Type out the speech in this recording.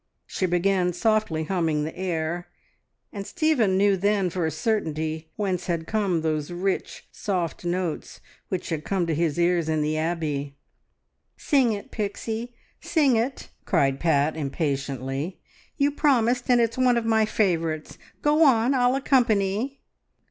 ... She began softly humming the air, and Stephen knew then for a certainty whence had come those rich, soft notes which had come to his ears in the Abbey. "Sing it, Pixie, sing it!" cried Pat impatiently. "You promised, and it's one of my favourites. Go on; I'll accompany!"